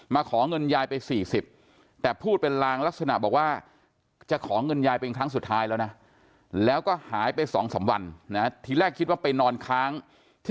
มาขอเงินยายไป๔๐บาท